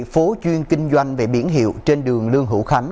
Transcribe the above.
phố chuyên kinh doanh về biển hiệu trên đường lương hữu khánh